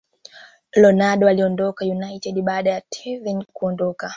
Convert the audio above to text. Ronaldo aliondoka United baada ya Tevez kuondoka